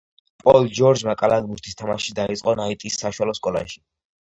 პოლ ჯორჯმა კალათბურთის თამაში დაიწყო ნაიტის საშუალო სკოლაში.